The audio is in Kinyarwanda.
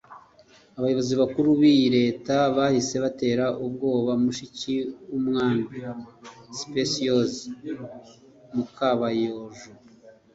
Abayobozi bakuru b’iyi Leta bahise batera ubwoba mushiki w’umwami (Specioza Mukabayojo)